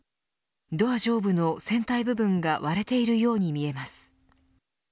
ドア上部の船体部分が割れているように見えます。